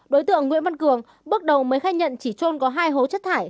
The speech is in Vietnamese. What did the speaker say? đối tượng nguyễn văn cường bước đầu mới khai nhận chỉ trôn có hai hố chất thải